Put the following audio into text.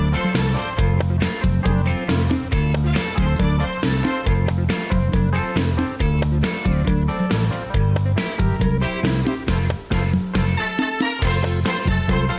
โปรดติดตามตอนต่อไป